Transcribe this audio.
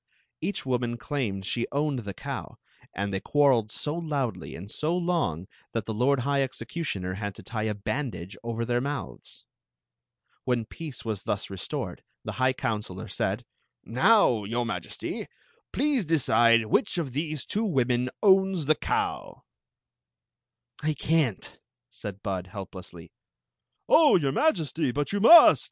Each woni»i clahned she owned the cow, and they quar reled so loudly and so long that the lord high execu tioner had to tie a bsMfidage over thek mouths. Wh«i peace was diHi mtomi the ha§^ counsdor said : t^m^fmm Majesty, pkaie <kcide n^Hdi ai t^e two women owm the cow." " I can t, " said Bud, helplessly. "Oh, your Majerty, \m you must!"